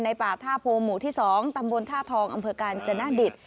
ป่าท่าโพหมู่ที่๒ตำบลท่าทองอำเภอกาญจนดิต